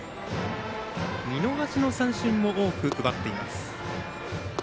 見逃しの三振も多く奪っています。